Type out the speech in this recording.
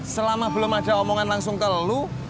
selama belum ada omongan langsung ke lu